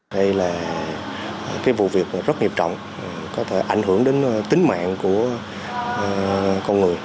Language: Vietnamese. đây là cái vụ việc rất nghiệp trọng có thể ảnh hưởng đến tính mạng của con người